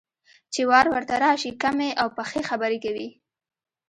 چې وار ورته راشي، کمې او پخې خبرې کوي.